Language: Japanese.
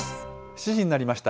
７時になりました。